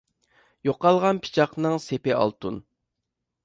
يوقالغان پىچاقنىڭ سېپى ئالتۇن.